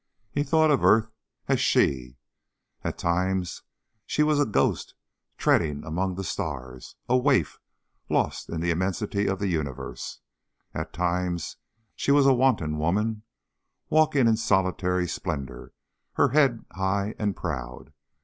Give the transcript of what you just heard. He thought of Earth as she. At times she was a ghost treading among the stars, a waif lost in the immensity of the universe. And at times she was a wanton woman, walking in solitary splendor, her head high and proud.